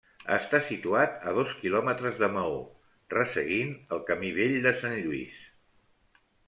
Està situat a dos quilòmetres de Maó, resseguint el camí vell de Sant Lluís.